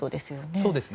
そうですね。